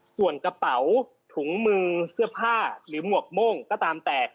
ส่วนกระเป๋าถุงมือเสื้อผ้าหรือหมวกโม่งก็ตามแต่